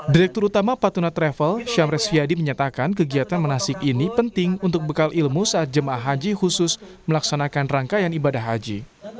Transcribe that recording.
direktur utama patuna travel syamri siadi menyatakan kegiatan menasik ini penting untuk bekal ilmu saat jemaah haji khusus melaksanakan rangkaian ibadah haji